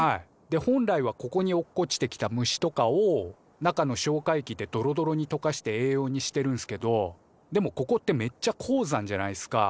で本来はここに落っこちてきた虫とかを中の消化液でドロドロにとかして栄養にしてるんすけどでもここってめっちゃ高山じゃないっすか。